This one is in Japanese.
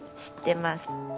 知ってます。